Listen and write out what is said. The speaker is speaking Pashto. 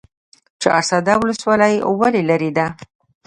چهارسده ولسوالۍ ولې لیرې ده؟